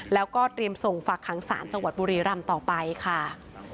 แล้วก็เตรียมส่งฝากขังศาลจังหวัดบุรีรำต่อไปค่ะ